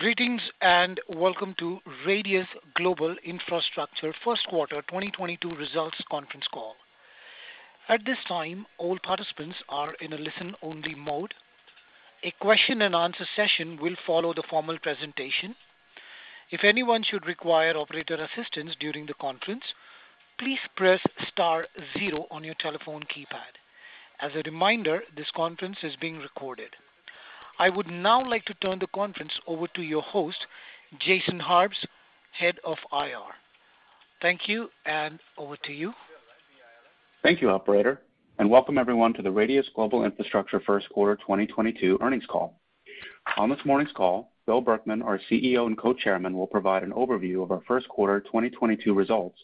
Greetings, and welcome to Radius Global Infrastructure first quarter 2022 results conference call. At this time, all participants are in a listen-only mode. A question and answer session will follow the formal presentation. If anyone should require operator assistance during the conference, please press star zero on your telephone keypad. As a reminder, this conference is being recorded. I would now like to turn the conference over to your host, Jason Harbes, Head of IR. Thank you, and over to you. Thank you, operator, and welcome everyone to the Radius Global Infrastructure first quarter 2022 earnings call. On this morning's call, Bill Berkman, our CEO and Co-Chairman, will provide an overview of our first quarter 2022 results,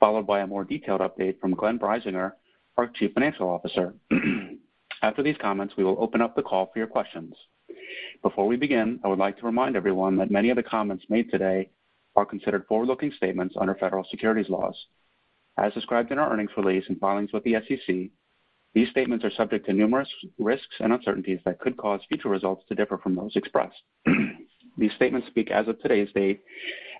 followed by a more detailed update from Glenn Breisinger, our Chief Financial Officer. After these comments, we will open up the call for your questions. Before we begin, I would like to remind everyone that many of the comments made today are considered forward-looking statements under federal securities laws. As described in our earnings release and filings with the SEC, these statements are subject to numerous risks and uncertainties that could cause future results to differ from those expressed. These statements speak as of today's date,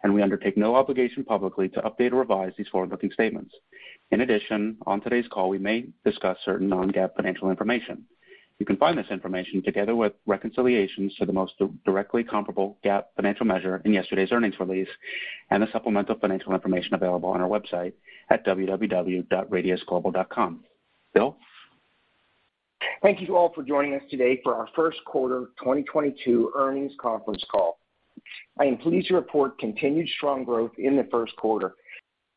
and we undertake no obligation publicly to update or revise these forward-looking statements. In addition, on today's call, we may discuss certain non-GAAP financial information. You can find this information, together with reconciliations to the most directly comparable GAAP financial measure in yesterday's earnings release and the supplemental financial information available on our website at www.radiusglobal.com. Bill? Thank you to all for joining us today for our first quarter 2022 earnings conference call. I am pleased to report continued strong growth in the first quarter.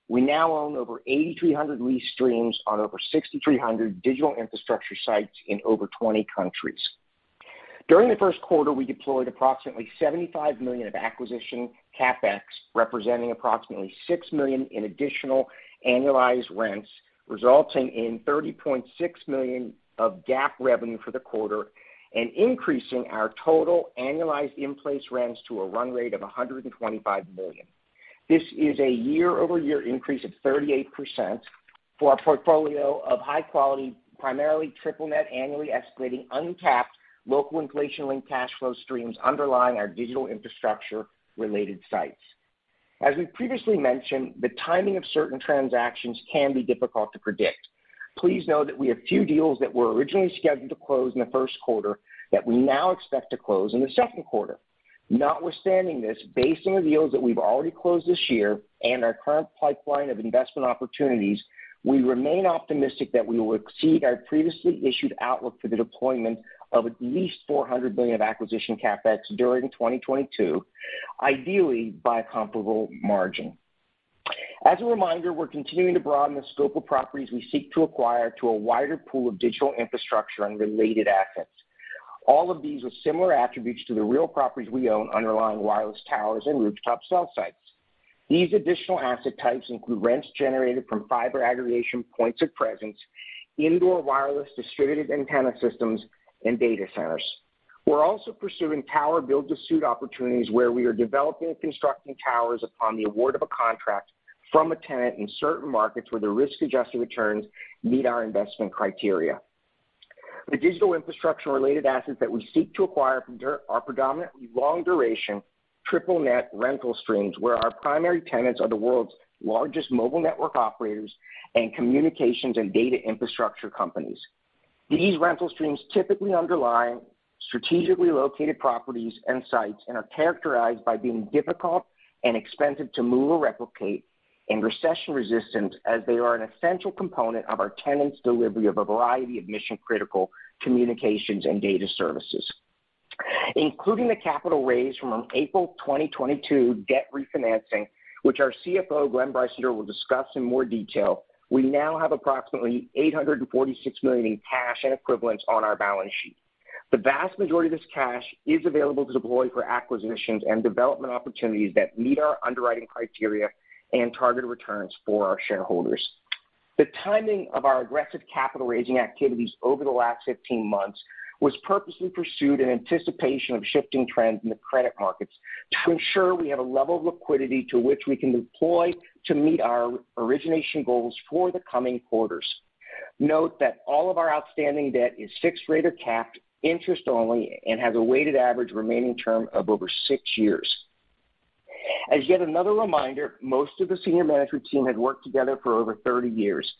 We now own over 8,300 lease streams on over 6,300 digital infrastructure sites in over 20 countries. During the first quarter, we deployed approximately $75 million of Acquisition Capex, representing approximately $6 million in additional annualized rents, resulting in $30.6 million of GAAP revenue for the quarter and increasing our total Annualized In-Place Rents to a run rate of $125 million. This is a year-over-year increase of 38% for our portfolio of high quality, primarily triple net, annually escalating, untapped local inflation-linked cash flow streams underlying our digital infrastructure related sites. As we previously mentioned, the timing of certain transactions can be difficult to predict. Please know that we have a few deals that were originally scheduled to close in the first quarter that we now expect to close in the second quarter. Notwithstanding this, based on the deals that we've already closed this year and our current pipeline of investment opportunities, we remain optimistic that we will exceed our previously issued outlook for the deployment of at least $400 million of Acquisition CapEx during 2022, ideally by a comparable margin. As a reminder, we're continuing to broaden the scope of properties we seek to acquire to a wider pool of digital infrastructure and related assets. All of these with similar attributes to the real properties we own underlying wireless towers and rooftop cell sites. These additional asset types include rents generated from fiber aggregation points of presence, indoor wireless distributed antenna systems, and data centers. We're also pursuing tower build to suit opportunities where we are developing and constructing towers upon the award of a contract from a tenant in certain markets where the risk-adjusted returns meet our investment criteria. The digital infrastructure related assets that we seek to acquire are predominantly long duration, triple net rental streams, where our primary tenants are the world's largest mobile network operators and communications and data infrastructure companies. These rental streams typically underlie strategically located properties and sites and are characterized by being difficult and expensive to move or replicate and recession resistant as they are an essential component of our tenants' delivery of a variety of mission-critical communications and data services. Including the capital raised from an April 2022 debt refinancing, which our CFO, Glenn Breisinger, will discuss in more detail, we now have approximately $846 million in cash and equivalents on our balance sheet. The vast majority of this cash is available to deploy for acquisitions and development opportunities that meet our underwriting criteria and targeted returns for our shareholders. The timing of our aggressive capital raising activities over the last 15 months was purposely pursued in anticipation of shifting trends in the credit markets to ensure we have a level of liquidity to which we can deploy to meet our origination goals for the coming quarters. Note that all of our outstanding debt is fixed rate or capped interest only and has a weighted average remaining term of over six years. As yet another reminder, most of the senior management team had worked together for over 30 years.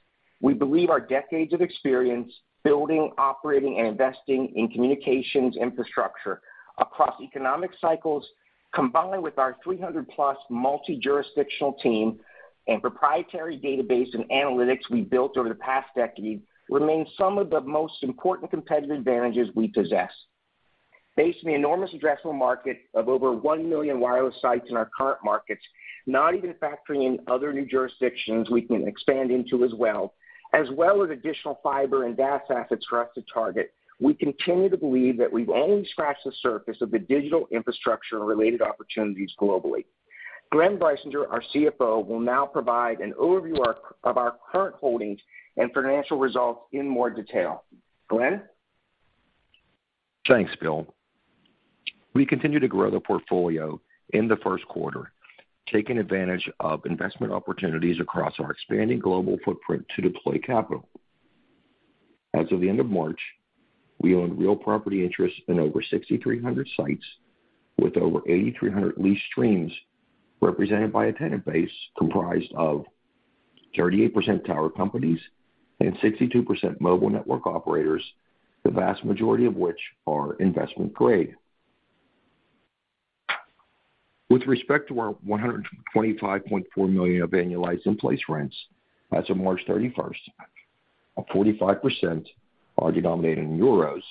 We believe our decades of experience building, operating, and investing in communications infrastructure across economic cycles, combined with our 300+ multi-jurisdictional team and proprietary database and analytics we built over the past decade, remains some of the most important competitive advantages we possess. Based on the enormous addressable market of over one million wireless sites in our current markets, not even factoring in other new jurisdictions we can expand into as well, as well as additional fiber and DAS assets for us to target, we continue to believe that we've only scratched the surface of the digital infrastructure and related opportunities globally. Glenn Breisinger, our CFO, will now provide an overview of our current holdings and financial results in more detail. Glenn? Thanks, Bill. We continued to grow the portfolio in the first quarter, taking advantage of investment opportunities across our expanding global footprint to deploy capital. As of the end of March, we own real property interests in over 6,300 sites with over 8,300 lease streams represented by a tenant base comprised of 38% tower companies and 62% mobile network operators, the vast majority of which are investment grade. With respect to our $125.4 million of Annualized In-Place Rents as of March 31, 45% are denominated in euros,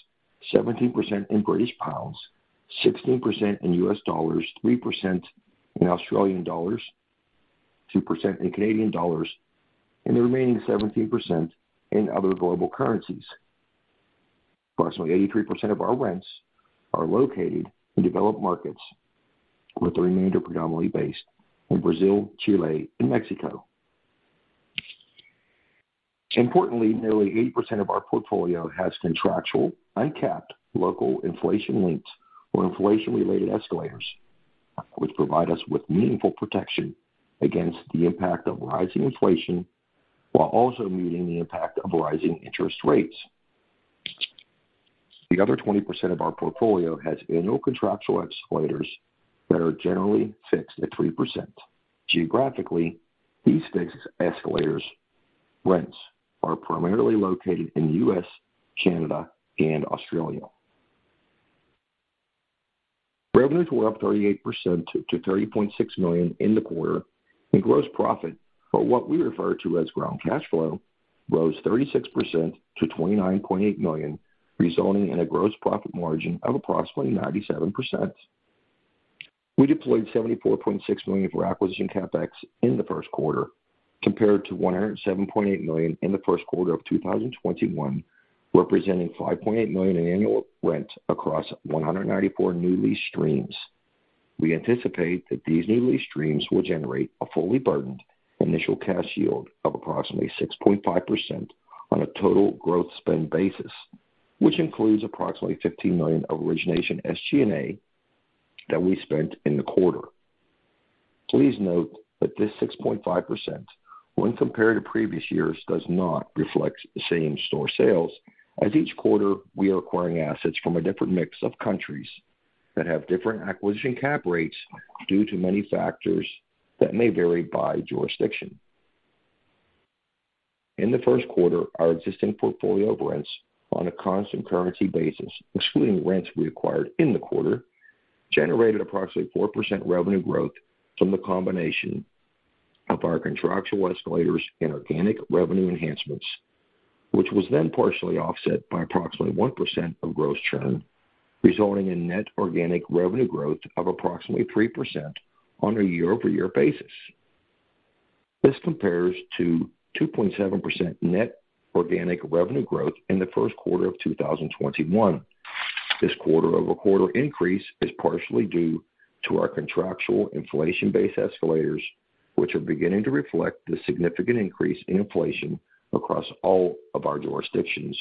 17% in British pounds, 16% in U.S dollars, 3% in Australian dollars, 2% in Canadian dollars, and the remaining 17% in other global currencies. Approximately 83% of our rents are located in developed markets, with the remainder predominantly based in Brazil, Chile, and Mexico. Importantly, nearly 80% of our portfolio has contractual uncapped local inflation links or inflation-related escalators, which provide us with meaningful protection against the impact of rising inflation while also muting the impact of rising interest rates. The other 20% of our portfolio has annual contractual escalators that are generally fixed at 3%. Geographically, these fixed escalators rents are primarily located in the U.S, Canada, and Australia. Revenues were up 38% to $30.6 million in the quarter, and gross profit, or what we refer to as ground cash flow, rose 36% to $29.8 million, resulting in a gross profit margin of approximately 97%. We deployed $74.6 million for Acquisition Capex in the first quarter compared to $107.8 million in the first quarter of 2021, representing $5.8 million in annual rent across 194 new lease streams. We anticipate that these new lease streams will generate a fully burdened initial cash yield of approximately 6.5% on a total growth spend basis, which includes approximately $15 million of origination SG&A that we spent in the quarter. Please note that this 6.5%, when compared to previous years, does not reflect the same-store sales as each quarter we are acquiring assets from a different mix of countries that have different acquisition cap rates due to many factors that may vary by jurisdiction. In the first quarter, our existing portfolio of rents on a constant currency basis, excluding rents we acquired in the quarter, generated approximately 4% revenue growth from the combination of our contractual escalators and organic revenue enhancements, which was then partially offset by approximately 1% of gross churn, resulting in net organic revenue growth of approximately 3% on a year-over-year basis. This compares to 2.7% net organic revenue growth in the first quarter of 2021. This quarter-over-quarter increase is partially due to our contractual inflation-based escalators, which are beginning to reflect the significant increase in inflation across all of our jurisdictions,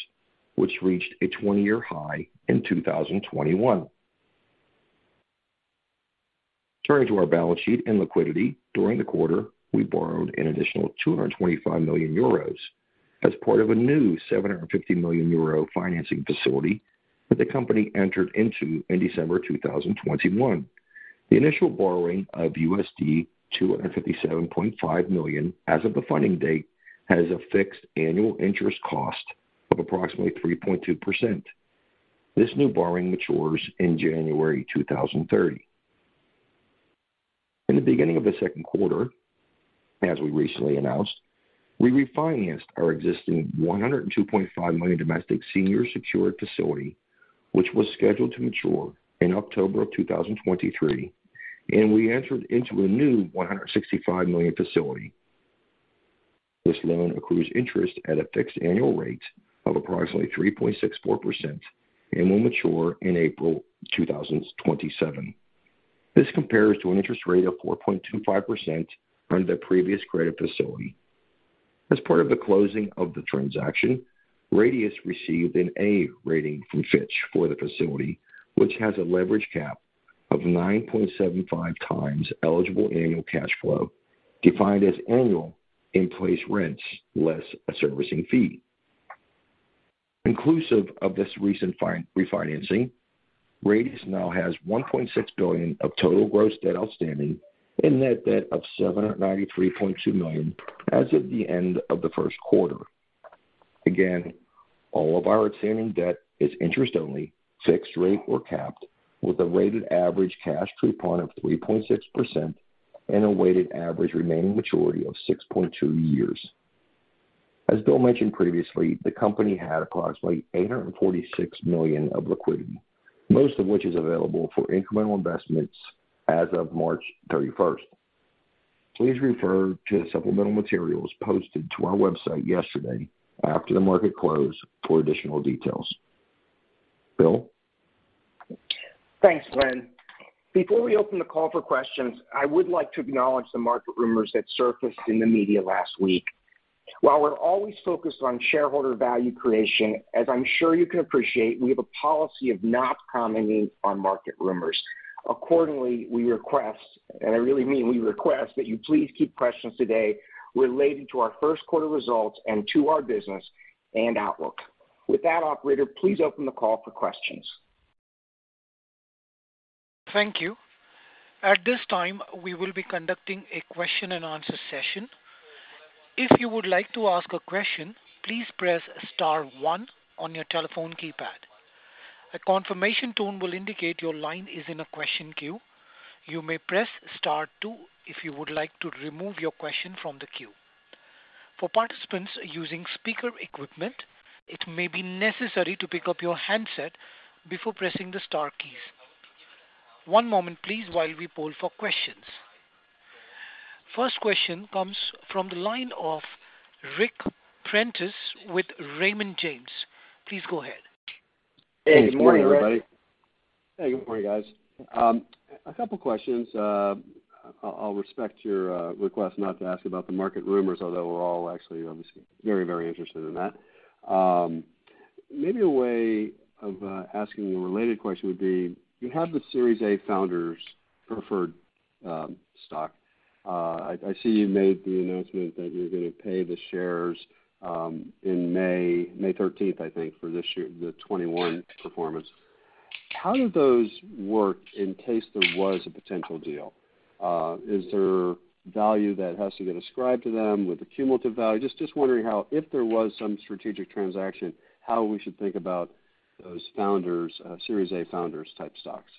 which reached a 20-year high in 2021. Turning to our balance sheet and liquidity. During the quarter, we borrowed an additional 225 million euros as part of a new 750 million euro financing facility that the company entered into in December 2021. The initial borrowing of $257.5 million as of the funding date has a fixed annual interest cost of approximately 3.2%. This new borrowing matures in January 2030. In the beginning of the second quarter, as we recently announced, we refinanced our existing $102.5 million domestic senior secured facility, which was scheduled to mature in October of 2023, and we entered into a new $165 million facility. This loan accrues interest at a fixed annual rate of approximately 3.64% and will mature in April 2027. This compares to an interest rate of 4.25% under the previous credit facility. As part of the closing of the transaction, Radius received an A rating from Fitch for the facility, which has a leverage cap of 9.75x eligible annual cash flow, defined as annual in-place rents less a servicing fee. Inclusive of this recent refinancing, Radius now has $1.6 billion of total gross debt outstanding and net debt of $793.2 million as of the end of the first quarter. Again, all of our outstanding debt is interest only, fixed rate or capped, with a weighted average cash to coupon of 3.6% and a weighted average remaining maturity of 6.2 years. As Bill mentioned previously, the company had approximately $846 million of liquidity, most of which is available for incremental investments as of March 31. Please refer to the supplemental materials posted to our website yesterday after the market close for additional details. Bill? Thanks, Glenn. Before we open the call for questions, I would like to acknowledge the market rumors that surfaced in the media last week. While we're always focused on shareholder value creation, as I'm sure you can appreciate, we have a policy of not commenting on market rumors. Accordingly, we request, and I really mean we request, that you please keep questions today related to our first quarter results and to our business and outlook. With that, operator, please open the call for questions. Thank you. At this time, we will be conducting a question and answer session. If you would like to ask a question, please press star one on your telephone keypad. A confirmation tone will indicate your line is in a question queue. You may press star two if you would like to remove your question from the queue. For participants using speaker equipment, it may be necessary to pick up your handset before pressing the star keys. One moment please while we poll for questions. First question comes from the line of Ric Prentiss with Raymond James, please go ahead. Hey, good morning, everybody. Hey, good morning, guys. A couple questions. I'll respect your request not to ask about the market rumors, although we're all actually obviously very, very interested in that. Maybe a way of asking a related question would be, you have the Series A founders preferred stock. I see you made the announcement that you're gonna pay the shares in May thirteenth, I think, for this year, the 2021 performance. How do those work in case there was a potential deal? Is there value that has to get ascribed to them with the cumulative value? Just wondering how if there was some strategic transaction, how we should think about those founders Series A founders type stocks.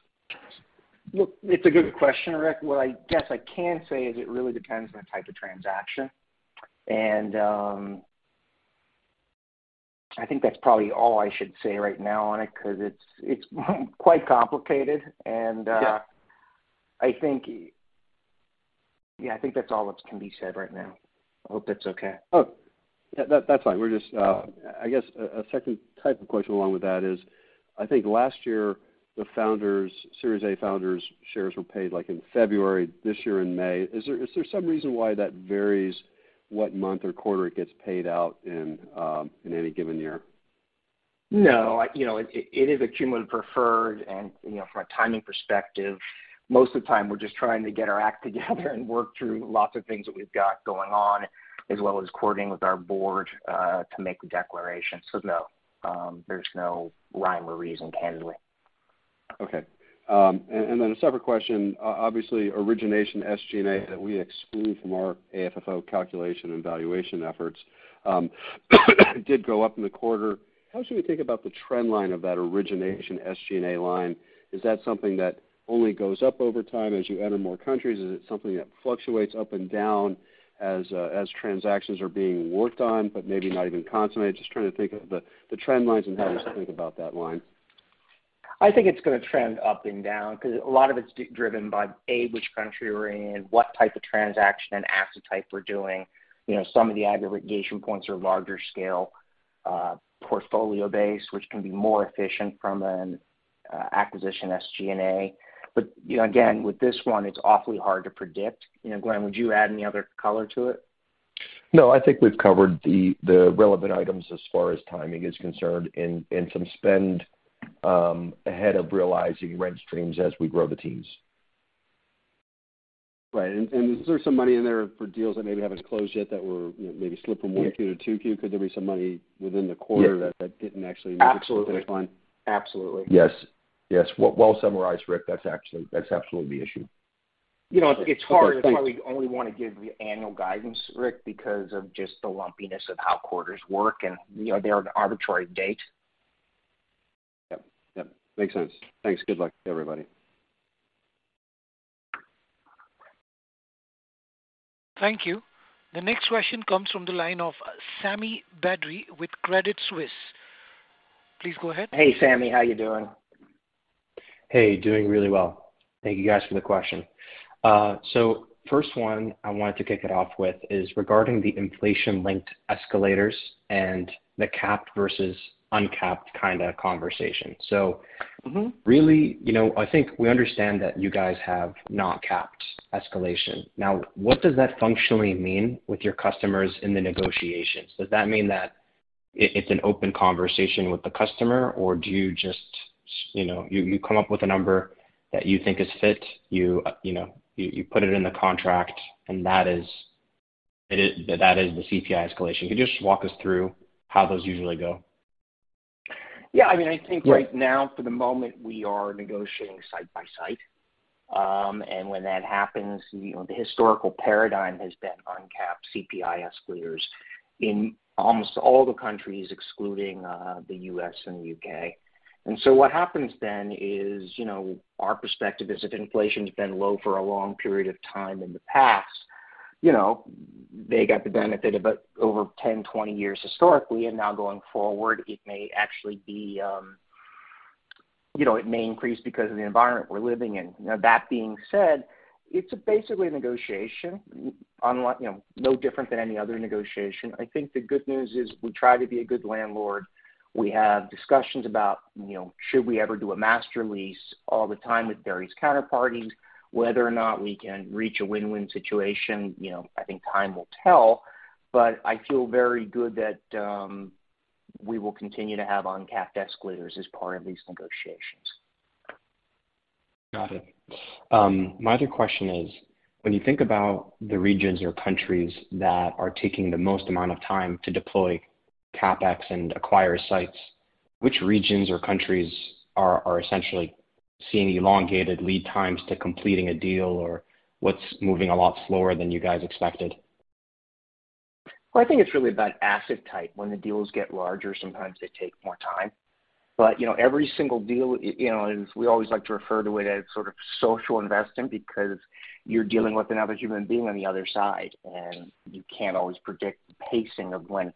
Look, it's a good question, Ric. What I guess I can say is it really depends on the type of transaction. I think that's probably all I should say right now on it because it's quite complicated. Yeah. I think that's all that can be said right now. I hope that's okay. Oh, that's fine. We're just I guess a second type of question along with that is, I think last year, the founders, Series A founders shares were paid, like, in February, this year in May. Is there some reason why that varies what month or quarter it gets paid out in any given year? No. You know, it is a cumulative preferred. You know, from a timing perspective, most of the time we're just trying to get our act together and work through lots of things that we've got going on, as well as coordinating with our board to make the declaration. No, there's no rhyme or reason, candidly. Okay. A separate question. Obviously, origination SG&A that we exclude from our AFFO calculation and valuation efforts did go up in the quarter. How should we think about the trend line of that origination SG&A line? Is that something that only goes up over time as you enter more countries? Is it something that fluctuates up and down as transactions are being worked on but maybe not even consummated? Just trying to think of the trend lines and how we should think about that line. I think it's gonna trend up and down because a lot of it's driven by, a, which country we're in, what type of transaction and asset type we're doing. You know, some of the aggregation points are larger scale, portfolio base, which can be more efficient from an, acquisition SG&A. You know, again, with this one, it's awfully hard to predict. You know, Glenn, would you add any other color to it? No, I think we've covered the relevant items as far as timing is concerned and some spend ahead of realizing rent streams as we grow the teams. Right. Is there some money in there for deals that maybe haven't closed yet that were, you know, maybe slip from one Q to two Q? Could there be some money within the quarter that? Yes. that didn't actually make it to the baseline? Absolutely. Absolutely. Yes. Well summarized, Ric. That's actually absolutely the issue. Okay. Thanks. You know, it's hard. It's why we only wanna give the annual guidance, Rick, because of just the lumpiness of how quarters work and, you know, they're an arbitrary date. Yep. Yep. Makes sense. Thanks. Good luck to everybody. Thank you. The next question comes from the line of Sami Badri with Credit Suisse, please go ahead. Hey, Sami. How you doing? Hey, doing really well. Thank you guys for the question. First one I wanted to kick it off with is regarding the inflation-linked escalators and the capped versus uncapped kinda conversation. Mm-hmm. Really, you know, I think we understand that you guys have not capped escalation. Now, what does that functionally mean with your customers in the negotiations? Does that mean that it's an open conversation with the customer, or do you just, you know, come up with a number that you think is fit, you know, you put it in the contract, and that is the CPI escalation. Could you just walk us through how those usually go? Yeah. I mean, I think right now for the moment, we are negotiating site by site. When that happens, you know, the historical paradigm has been uncapped CPI escalators in almost all the countries excluding the U.S and the U.K. What happens then is, you know, our perspective is if inflation's been low for a long period of time in the past, you know, they got the benefit of it over 10, 20 years historically, and now going forward, it may actually be, you know, it may increase because of the environment we're living in. You know, that being said, it's basically a negotiation, you know, no different than any other negotiation. I think the good news is we try to be a good landlord. We have discussions about, you know, should we ever do a master lease all the time with various counterparties, whether or not we can reach a win-win situation, you know, I think time will tell. I feel very good that we will continue to have uncapped escalators as part of these negotiations. Got it. My other question is, when you think about the regions or countries that are taking the most amount of time to deploy CapEx and acquire sites, which regions or countries are essentially seeing elongated lead times to completing a deal? Or what's moving a lot slower than you guys expected? Well, I think it's really about asset type. When the deals get larger, sometimes they take more time. You know, every single deal, you know, we always like to refer to it as sort of social investing because you're dealing with another human being on the other side, and you can't always predict the pacing of when a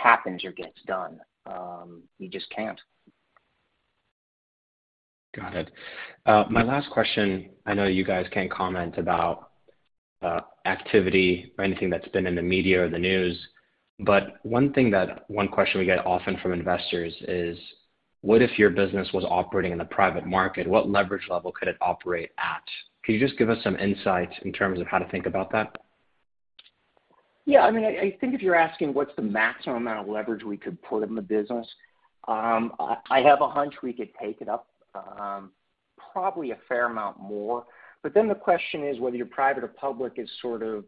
transaction happens or gets done. You just can't. Got it. My last question, I know you guys can't comment about activity or anything that's been in the media or the news, but one thing that one question we get often from investors is, what if your business was operating in the private market? What leverage level could it operate at? Can you just give us some insight in terms of how to think about that? Yeah. I mean, I think if you're asking what's the maximum amount of leverage we could put in the business, I have a hunch we could take it up, probably a fair amount more. The question is whether you're private or public is sort of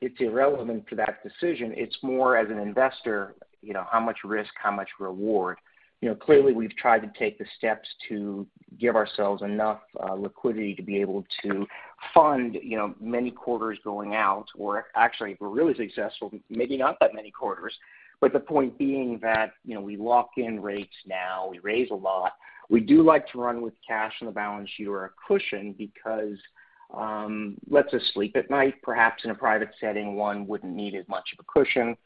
it's irrelevant to that decision. It's more as an investor, you know, how much risk, how much reward. You know, clearly, we've tried to take the steps to give ourselves enough liquidity to be able to fund, you know, many quarters going out, or actually, if we're really successful, maybe not that many quarters. The point being that, you know, we lock in rates now, we raise a lot. We do like to run with cash on the balance sheet or a cushion because lets us sleep at night. Perhaps in a private setting, one wouldn't need as much of a cushion.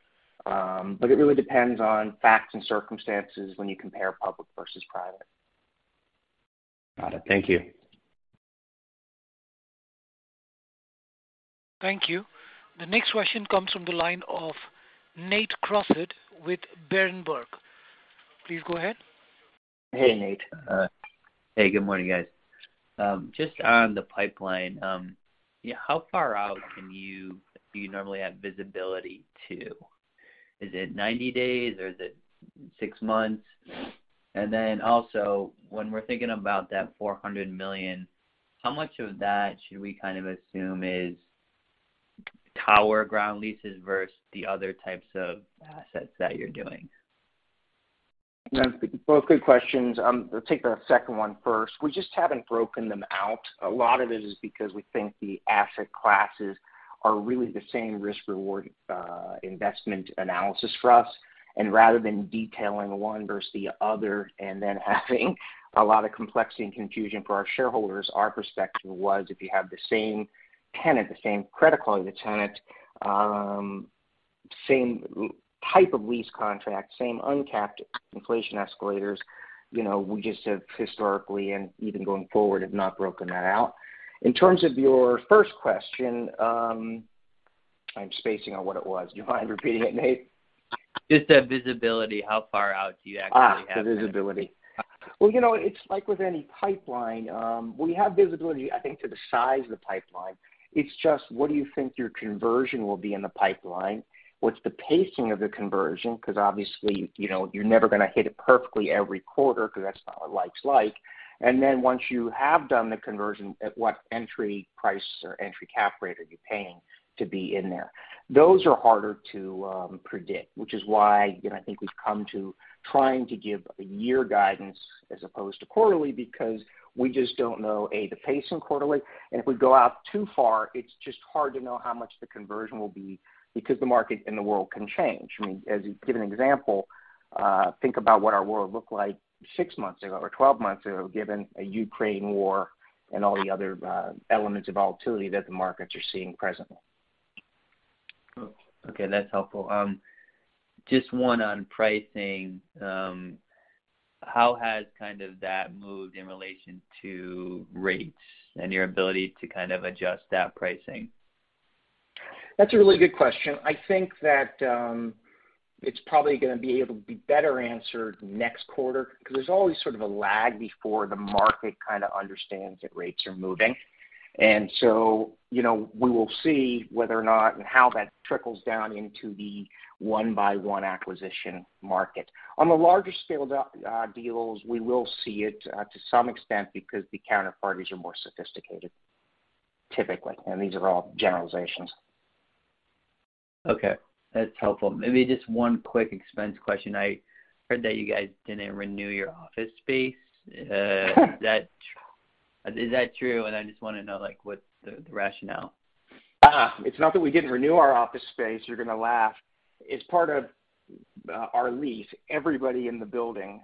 It really depends on facts and circumstances when you compare public versus private. Got it. Thank you. Thank you. The next question comes from the line of Nate Crossett with Berenberg, please go ahead. Hey, Nate. Hey, good morning, guys. Just on the pipeline, how far out do you normally have visibility to? Is it 90 days or is it 6 months? Then also when we're thinking about that $400 million, how much of that should we kind of assume is tower ground leases versus the other types of assets that you're doing? Both good questions. I'll take the second one first. We just haven't broken them out. A lot of it is because we think the asset classes are really the same risk-reward investment analysis for us. Rather than detailing one versus the other and then having a lot of complexity and confusion for our shareholders, our perspective was, if you have the same tenant, the same credit quality of the tenant, same type of lease contract, same uncapped inflation escalators, you know, we just have historically and even going forward, have not broken that out. In terms of your first question, I'm spacing on what it was. Do you mind repeating it, Nate? Just the visibility, how far out do you actually have? Well, you know, it's like with any pipeline, we have visibility, I think to the size of the pipeline. It's just, what do you think your conversion will be in the pipeline? What's the pacing of the conversion? Because obviously, you know, you're never gonna hit it perfectly every quarter because that's not what life's like. Then once you have done the conversion, at what entry price or entry cap rate are you paying to be in there? Those are harder to predict, which is why, you know, I think we've come to trying to give a year guidance as opposed to quarterly because we just don't know, A, the pace in quarterly, and if we go out too far, it's just hard to know how much the conversion will be because the market and the world can change. I mean, as you give an example, think about what our world looked like six months ago or 12 months ago, given a Ukraine war and all the other elements of volatility that the markets are seeing presently. Okay, that's helpful. Just one on pricing. How has kind of that moved in relation to rates and your ability to kind of adjust that pricing? That's a really good question. I think that it's probably gonna be able to be better answered next quarter, because there's always sort of a lag before the market kind of understands that rates are moving. You know, we will see whether or not and how that trickles down into the one-by-one acquisition market. On the larger scaled deals, we will see it to some extent because the counterparties are more sophisticated, typically, and these are all generalizations. Okay. That's helpful. Maybe just one quick expense question. I heard that you guys didn't renew your office space. Is that true? I just wanna know, like, what's the rationale? It's not that we didn't renew our office space. You're gonna laugh. As part of our lease, everybody in the building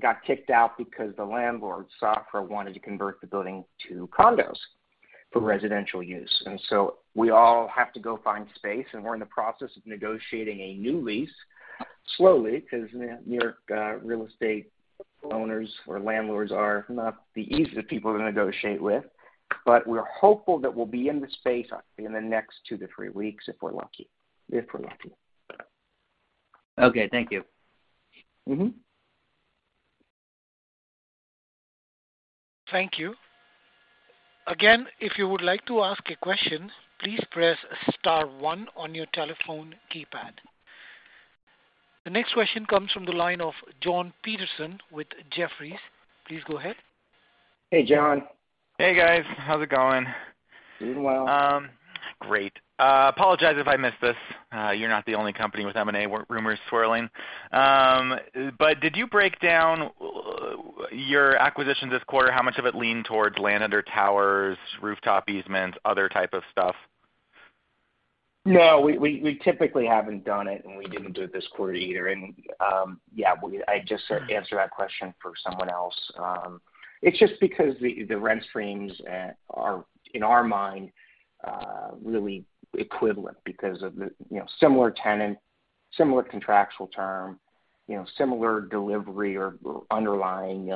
got kicked out because the landlord, Sofra, wanted to convert the building to condos for residential use. We all have to go find space, and we're in the process of negotiating a new lease, slowly, because New York real estate owners or landlords are not the easiest people to negotiate with. We're hopeful that we'll be in the space in the next two to three weeks, if we're lucky. Okay, thank you. Mm-hmm. Thank you. Again, if you would like to ask a question, please press star one on your telephone keypad. The next question comes from the line of Jon Petersen with Jefferies, please go ahead. Hey, Jon. Hey, guys. How's it going? Doing well. Great. Apologize if I missed this. You're not the only company with M&A rumors swirling. Did you break down your acquisition this quarter, how much of it leaned towards land under towers, rooftop easements, other type of stuff? No, we typically haven't done it, and we didn't do it this quarter either. Yeah, I just answered that question for someone else. It's just because the rent streams are in our mind really equivalent because of the, you know, similar tenant, similar contractual term, you know, similar delivery or underlying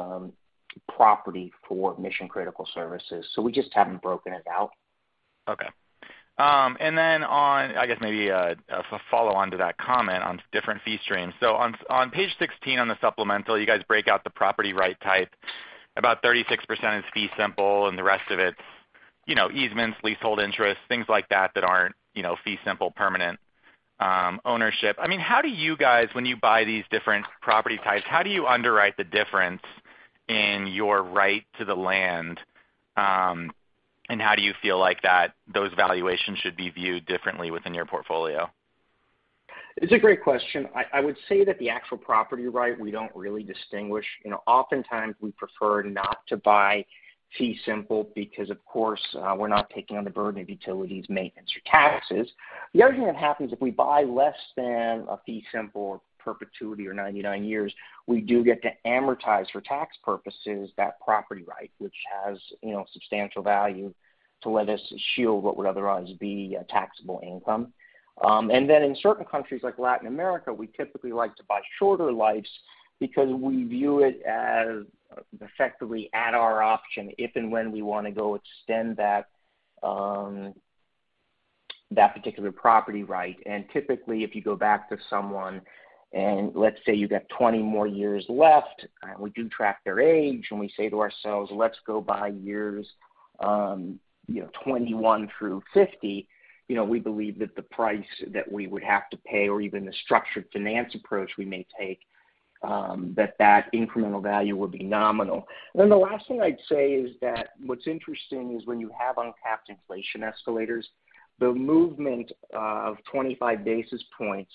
property for mission-critical services. We just haven't broken it out. I guess maybe a follow-on to that comment on different fee streams. On page 16 on the supplemental, you guys break out the property right type. About 36% is fee simple, and the rest of it's, you know, easements, leasehold interests, things like that that aren't, you know, fee simple permanent ownership. I mean, how do you guys, when you buy these different property types, how do you underwrite the difference in your right to the land, and how do you feel like that those valuations should be viewed differently within your portfolio? It's a great question. I would say that the actual property right, we don't really distinguish. You know, oftentimes we prefer not to buy fee simple because, of course, we're not taking on the burden of utilities, maintenance or taxes. The other thing that happens if we buy less than a fee simple perpetuity or 99 years, we do get to amortize for tax purposes that property right, which has, you know, substantial value to let us shield what would otherwise be a taxable income. In certain countries like Latin America, we typically like to buy shorter lives because we view it as effectively at our option if and when we wanna go extend that particular property right. Typically, if you go back to someone and let's say you got 20 more years left, we do track their age, and we say to ourselves, "Let's go buy years, you know, 21 through 50," you know, we believe that the price that we would have to pay or even the structured finance approach we may take, that incremental value would be nominal. The last thing I'd say is that what's interesting is when you have uncapped inflation escalators, the movement of 25 basis points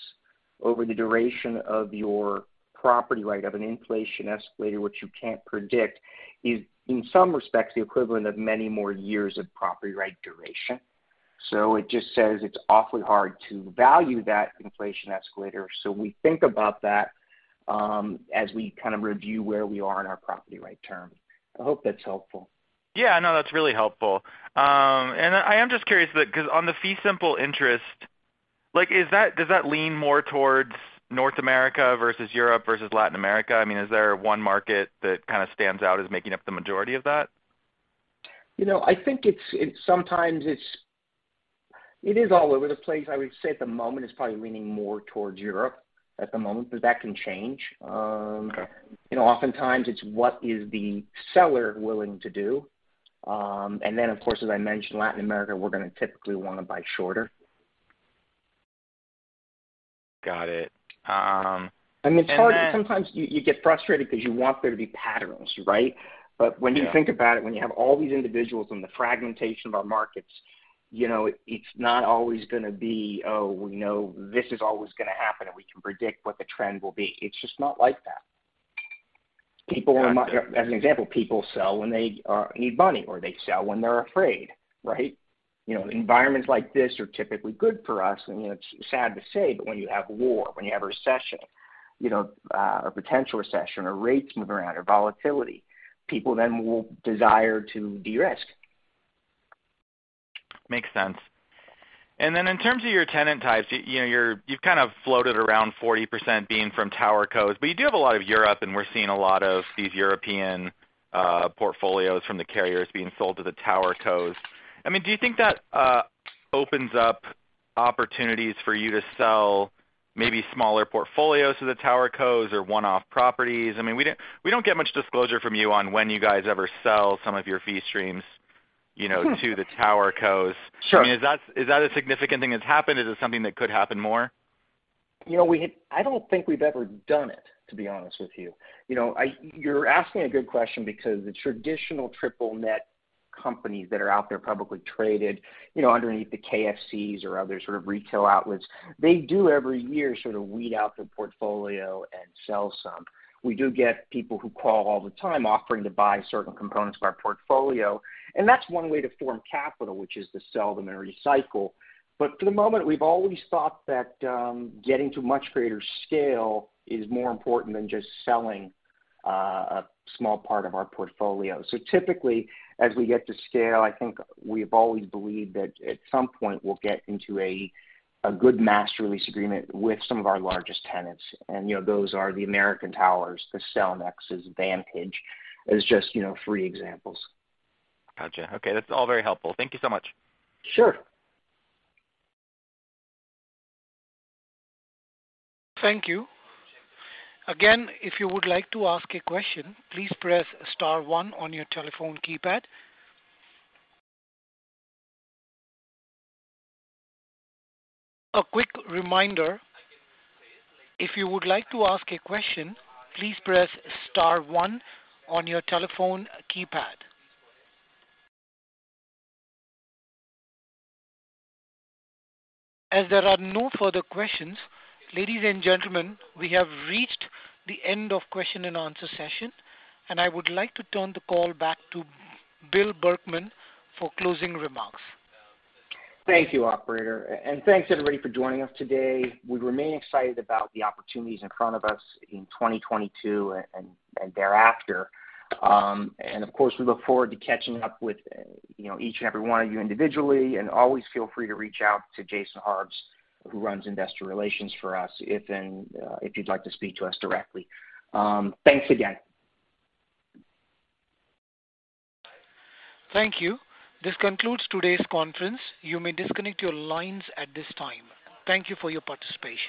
over the duration of your property right of an inflation escalator, which you can't predict, is in some respects the equivalent of many more years of property right duration. It just says it's awfully hard to value that inflation escalator, so we think about that, as we kind of review where we are in our property right term. I hope that's helpful. Yeah. No, that's really helpful. I am just curious because on the fee simple interest, like, does that lean more towards North America versus Europe versus Latin America? I mean, is there one market that kind of stands out as making up the majority of that? You know, I think it's sometimes all over the place. I would say at the moment it's probably leaning more towards Europe at the moment, but that can change. Okay. You know, oftentimes it's what is the seller willing to do. Of course, as I mentioned, Latin America, we're gonna typically wanna buy shorter. Got it. I mean, it's hard. Sometimes you get frustrated because you want there to be patterns, right? But when you think about it, when you have all these individuals and the fragmentation of our markets, you know, it's not always gonna be, "Oh, we know this is always gonna happen, and we can predict what the trend will be." It's just not like that. People are not. Gotcha. As an example, people sell when they need money, or they sell when they're afraid, right? You know, environments like this are typically good for us, and, you know, it's sad to say, but when you have war, when you have a recession, you know, a potential recession or rates move around or volatility, people then will desire to de-risk. Makes sense. In terms of your tenant types, you know, you've kind of floated around 40% being from tower cos, but you do have a lot of Europe, and we're seeing a lot of these European portfolios from the carriers being sold to the tower cos. I mean, do you think that opens up opportunities for you to sell maybe smaller portfolios to the tower cos or one-off properties? I mean, we don't get much disclosure from you on when you guys ever sell some of your fee streams, you know to the tower cos. Sure. I mean, is that a significant thing that's happened? Is it something that could happen more? You know, I don't think we've ever done it, to be honest with you. You know, you're asking a good question because the traditional triple net companies that are out there publicly traded, you know, underneath the KFCs or other sort of retail outlets, they do every year sort of weed out their portfolio and sell some. We do get people who call all the time offering to buy certain components of our portfolio, and that's one way to form capital, which is to sell them and recycle. For the moment, we've always thought that getting to much greater scale is more important than just selling a small part of our portfolio. Typically, as we get to scale, I think we've always believed that at some point we'll get into a good master lease agreement with some of our largest tenants, and, you know, those are the American Tower, the Cellnex, Vantage Towers, as just, you know, three examples. Gotcha. Okay, that's all very helpful. Thank you so much. Sure. Thank you. Again, if you would like to ask a question, please press star one on your telephone keypad. A quick reminder, if you would like to ask a question, please press star one on your telephone keypad. As there are no further questions, ladies and gentlemen, we have reached the end of question and answer session, and I would like to turn the call back to Bill Berkman for closing remarks. Thank you, operator, and thanks everybody for joining us today. We remain excited about the opportunities in front of us in 2022 and thereafter. Of course, we look forward to catching up with, you know, each and every one of you individually, and always feel free to reach out to Jason Harbes, who runs investor relations for us, if you'd like to speak to us directly. Thanks again. Thank you. This concludes today's conference. You may disconnect your lines at this time. Thank you for your participation.